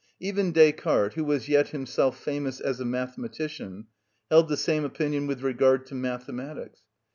Even Descartes, who was yet himself famous as a mathematician, held the same opinion with regard to mathematics.